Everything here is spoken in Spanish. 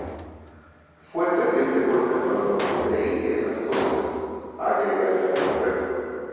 Fue un terrible golpe cuando leí esas cosas", agregaría al respecto.